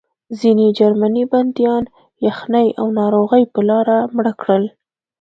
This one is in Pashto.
ځینې جرمني بندیان یخنۍ او ناروغۍ په لاره مړه کړل